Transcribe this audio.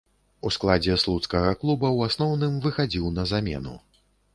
У складзе слуцкага клуба ў асноўным выхадзіў на замену.